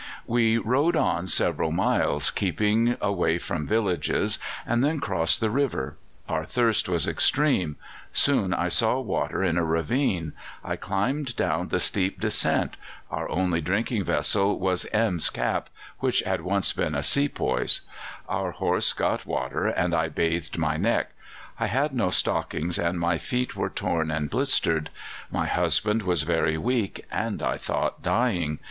"We rode on several miles, keeping away from villages, and then crossed the river. Our thirst was extreme. Soon I saw water in a ravine. I climbed down the steep descent. Our only drinking vessel was M.'s cap (which had once been a sepoy's). Our horse got water and I bathed my neck. I had no stockings and my feet were torn and blistered. My husband was very weak, and, I thought, dying.